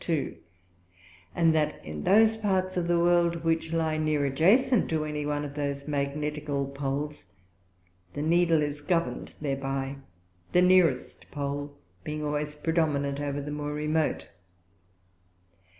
Two; and that, in those parts of the World which lie near adjacent to any one of those Magnetical Poles, the Needle is govern'd thereby, the nearest Pole being always predominant over the more remote_.